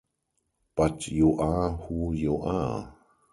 But you are who you are.